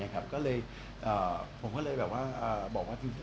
ผมก็เลยแบบว่า